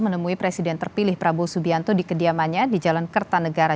menemui presiden terpilih prabowo subianto di kediamannya di jalan kertanegara